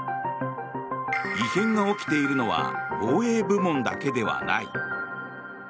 異変が起きているのは防衛部門だけではない。